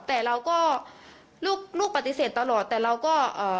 แต่เราก็ลูกปฏิเสธตลอดแต่เราก็